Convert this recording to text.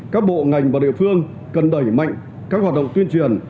các bộ ngành và địa phương cần đẩy mạnh các hoạt động tuyên truyền